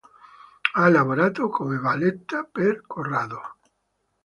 Ha lavorato come valletta per Corrado.